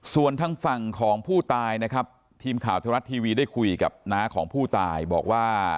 ส่วนทางฝั่งของผู้ตายนะครับทีมข่าวธรรมรัฐทีวีได้คุยกับน้าของผู้ตายบอกว่า